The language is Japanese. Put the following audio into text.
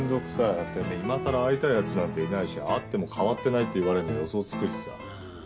だって今さら会いたい奴なんていないし会っても「変わってない」って言われるの予想つくしさ。